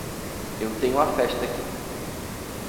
Eu tenho a festa aqui.